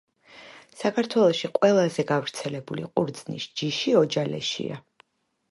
საქართველოში ყველაზე გავრცელებული ყურძნის ჯიში ოჯალეშია